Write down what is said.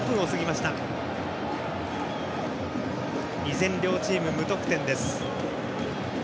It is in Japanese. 依然、両チーム無得点です。